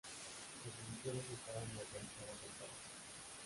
Las divisiones estaban motorizadas en parte.